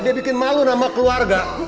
dia bikin malu sama keluarga